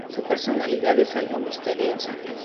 Su personalidad es algo misteriosa.